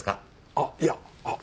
あっいやあっ。